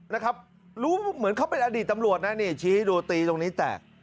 นะครับรู้เหมือนเขาเป็นอดีตตำรวจนะนี่ชี้ให้ดูตีตรงนี้แตก